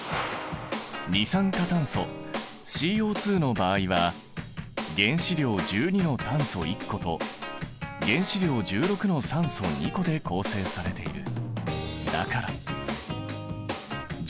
二酸化炭素ＣＯの場合は原子量１２の炭素１個と原子量１６の酸素２個で構成されている。